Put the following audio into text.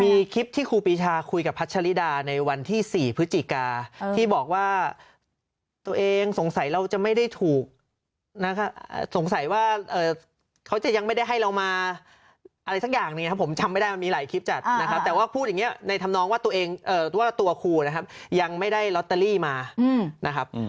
มีคลิปที่ครูปีชาคุยกับพัชริดาในวันที่๔พฤศจิกาที่บอกว่าตัวเองสงสัยเราจะไม่ได้ถูกสงสัยว่าเขาจะยังไม่ได้ให้เรามาอะไรสักอย่างหนึ่งครับผมจำไม่ได้มันมีหลายคลิปจัดนะครับแต่ว่าพูดอย่างนี้ในธรรมนองว่าตัวครูนะครับยังไม่ได้ลอตเตอรี่มานะครับ